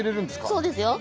そうですよ。